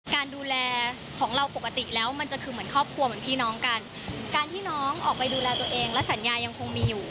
การดูแลของเราปกติแล้วมันจะคือเหมือนครอบครัวเหมือนพี่น้องกันการที่น้องออกไปดูแลตัวเองและสัญญายังคงมีอยู่